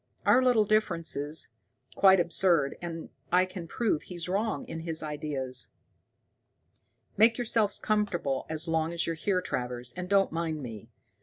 "Our little differences quite absurd, and I can prove he's wrong in his ideas. "Make yourself comfortable as long as you're here, Travers, and don't mind me.